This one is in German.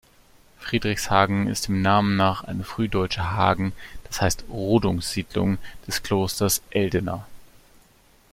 Friedrichshagen ist dem Namen nach eine frühdeutsche Hagen-, das heißt Rodungssiedlung des Klosters Eldena.